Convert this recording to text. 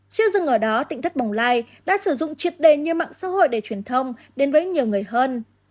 chưa dừng ở đó tịnh thất bồng lai đã sử dụng triệt đề nhiều mạng xã hội để truyền thông đến với nhiều người hơn